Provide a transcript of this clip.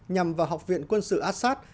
nhằm vào học viện quân sự assad